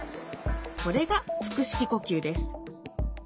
これが腹式呼吸です。